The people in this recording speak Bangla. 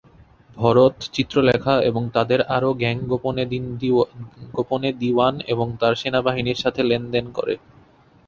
ভরত, চিত্রলেখা এবং তাদের আরও গ্যাং গোপনে দিওয়ান এবং তার সেনাবাহিনীর সাথে লেনদেন করে।